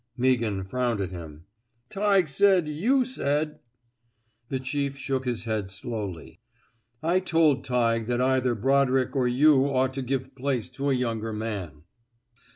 " Meaghan frowned at him. Tighe said you said —" The chief shook his head slowly. I told Tighe that either Brodrick or you ought to give place to a younger man."